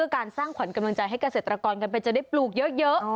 การสร้างขวัญกำลังใจให้เกษตรกรกันไปจะได้ปลูกเยอะ